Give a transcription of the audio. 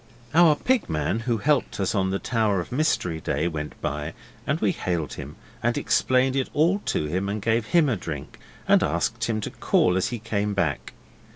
Our Pig man who helped us on the Tower of Mystery day went by and we hailed him, and explained it all to him and gave him a drink, and asked him to call as he came back.